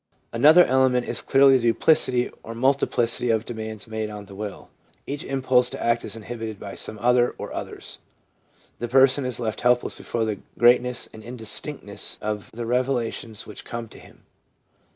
Another element is clearly the duplicity or multi plicity of demands made on the will. Each impulse to act is inhibited by some other or others. The person is left helpless before the greatness and indistinctness of the revelations which come to him.